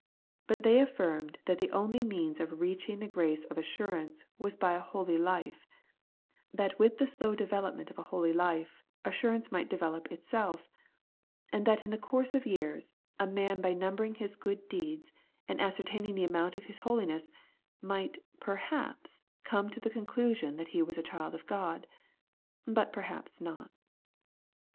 But they affirmed that the only means of reach ing the grace of assurance was by a holy life ; that with the slow development of a holy life, assurance might develope itself ; and that in the course of years, a man by numbering his good deeds, and ascertaining 150 The Everlasting Righteousness, the amount of his holiness, might perhaps come to the conclusion that he was a child of God ; but per haps not.